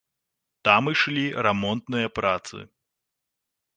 Там ішлі рамонтныя працы.